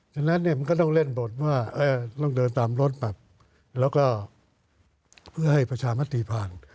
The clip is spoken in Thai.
ฉะนั้นมันก็ต้องเล่นบทว่าต้องเดินตามรถแล้วก็ให้ประชามาตรีผ่าน